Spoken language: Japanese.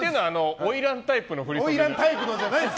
花魁タイプじゃないです。